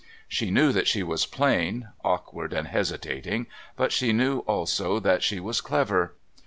She knew that she was plain, awkward and hesitating, but she knew also that she was clever.